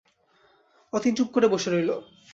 অতীন চুপ করে বসে রইল।